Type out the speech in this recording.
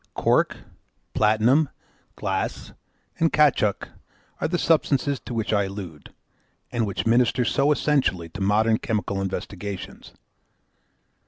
Cork, Platinum, Glass, and Caoutchouc, are the substances to which I allude, and which minister so essentially to modern chemical investigations.